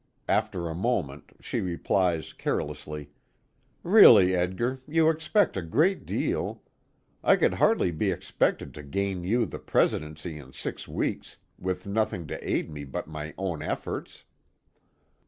After a moment she replies carelessly: "Really, Edgar, you expect a great deal. I could hardly be expected to gain you the Presidency in six weeks, with nothing to aid me but my own efforts."